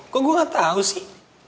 kok gue gak tau sih